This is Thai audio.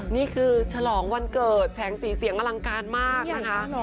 นี่คือฉลองวันเกิดแสงสีเสียงอลังการมากนะคะ